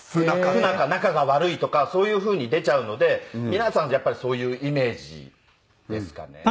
不仲仲が悪いとかそういうふうに出ちゃうので皆さんやっぱりそういうイメージですかね。